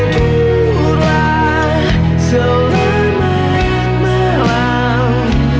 tidurlah selamat malam